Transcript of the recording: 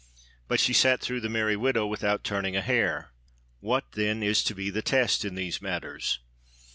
But she sat through The Merry Widow without turning a hair. What, then, is to be the test in these matters?